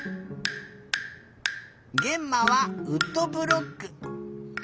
げんまはウッドブロック。